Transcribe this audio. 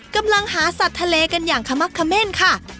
กำลังหาสัตว์ทะเลกันอย่างขมักเขม่นค่ะ